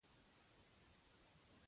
کتابچه کې بیتونه لیکل کېږي